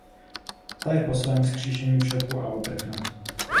Ta je po svém vzkříšení v šoku a uprchne.